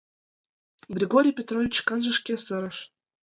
Григорий Петрович шканже шке сырыш.